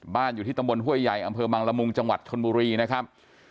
อยู่ที่ตำบลห้วยใหญ่อำเภอบังละมุงจังหวัดชนบุรีนะครับ